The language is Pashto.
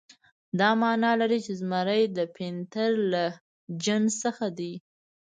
دا معنی لري چې زمری د پینتر له جنس څخه دی.